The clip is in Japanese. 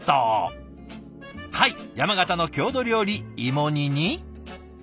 はい山形の郷土料理芋煮に。